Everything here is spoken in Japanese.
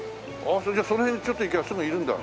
それじゃあその辺にちょっと行きゃすぐいるんだ。